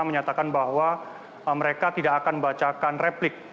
menyatakan bahwa mereka tidak akan membacakan replik